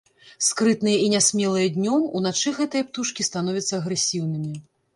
Скрытныя і нясмелыя днём, уначы гэтыя птушкі становяцца агрэсіўнымі.